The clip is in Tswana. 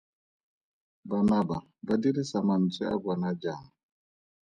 Bana ba ba dirisa mantswe a bona jang?